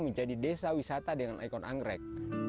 menjadi desa wisata dengan ikon anggrek